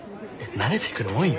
慣れてくるもんよ。